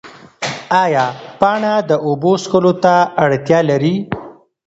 ایا پاڼه د اوبو څښلو ته اړتیا لري؟